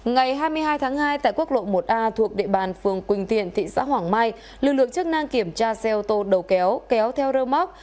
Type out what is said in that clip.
ngày hai mươi hai tháng hai tại quốc lộ một a thuộc địa bàn phường quỳnh thiện thị xã hoàng mai lực lượng chức năng kiểm tra xe ô tô đầu kéo kéo theo rơ móc